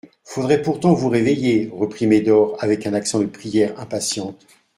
Faudrait pourtant vous réveiller, reprit Médor avec un accent de prière impatiente.